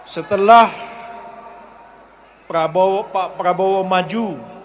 setelah pak prabowo maju